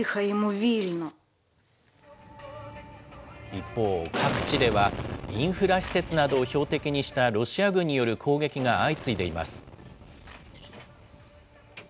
一方、各地では、インフラ施設などを標的にしたロシア軍による攻撃が相次いでいます。